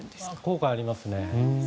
効果ありますね。